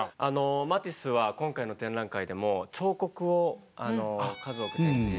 マティスは今回の展覧会でも彫刻を数多く展示してますよね。